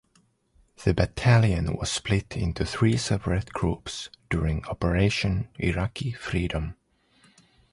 The battalion was split into three separate groups during Operation Iraqi Freedom.